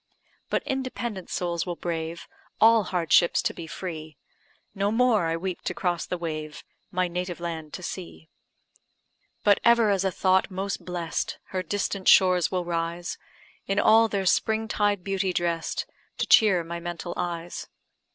But independent souls will brave All hardships to be free; No more I weep to cross the wave, My native land to see. But ever as a thought most bless'd, Her distant shores will rise, In all their spring tide beauty dress'd. To cheer my mental eyes.